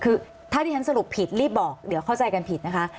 คือถ้าที่ฉันสรุปผิดรีบบอกเดี๋ยวเข้าใจกันผิดนะคะ